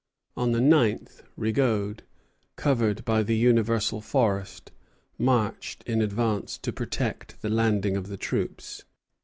On the ninth Rigaud, covered by the universal forest, marched in advance to protect the landing of the troops.